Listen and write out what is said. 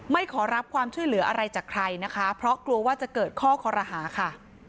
ขอรับความช่วยเหลืออะไรจากใครนะคะเพราะกลัวว่าจะเกิดข้อคอรหาค่ะ